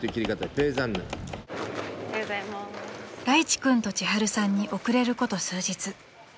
［楽壱君と千春さんに遅れること数日］